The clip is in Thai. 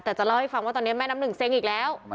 แต่จะเล่าให้ฟังว่าตอนนี้แม่น้ำหนึ่งเซ็งอีกแล้ว